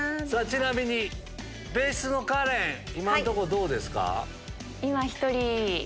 ちなみに別室のカレン今んとこどうですか？